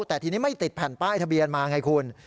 แต่ทีนี้ไม่ติดแผ่นป้ายทะเบียนมาไงคุณ